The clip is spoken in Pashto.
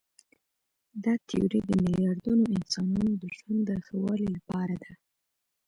دا تیوري د میلیاردونو انسانانو د ژوند د ښه والي لپاره ده.